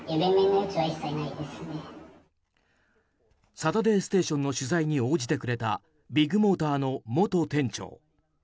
「サタデーステーション」の取材に応じてくれたビッグモーターの元店長。